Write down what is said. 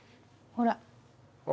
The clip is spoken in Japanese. ほら。